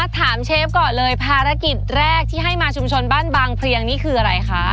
เชฟก่อนเลยภารกิจแรกที่ให้มาชุมชนบ้านบางเพลียงนี่คืออะไรคะ